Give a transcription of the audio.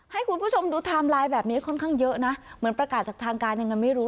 ให้คุณผู้ชมดูไทม์ไลน์แบบนี้ค่อนข้างเยอะนะเหมือนประกาศจากทางการยังไงไม่รู้